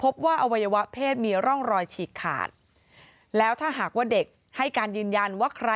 คณีตามกฎหมายต่อไปค่ะ